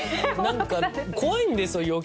何か怖いんですよ